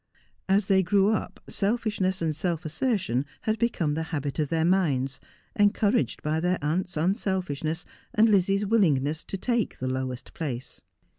As they grew up selfishness and self assertion had become the habit of their minds, encouraged by their aunc'i; unselfishness and Lizzie's willingness to take the lowest place.